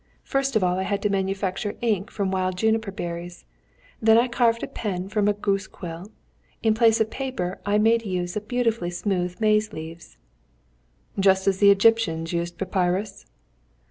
First of all I had to manufacture ink from wild juniper berries, then I carved a pen from a goose quill; in place of paper I made use of beautifully smooth maize leaves." "Just as the Egyptians used papyrus?"